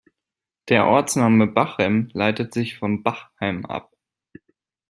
Der Ortsname Bachem leitet sich von "Bach-Heim" ab.